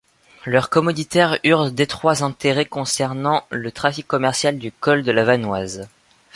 Leurs commoditaires eurent d'étroits intérêts concernant le trafic commercial du col de la Vanoise.